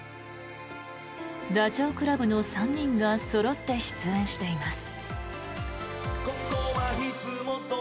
ダチョウ倶楽部の３人がそろって出演しています。